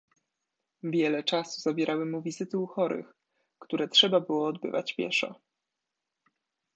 "Wiele czasu zabierały mu wizyty u chorych, które trzeba było odbywać pieszo."